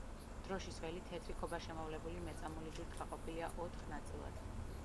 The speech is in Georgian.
დროშის ველი თეთრი ქობაშემოვლებული მეწამული ჯვრით გაყოფილია ოთხ ნაწილად.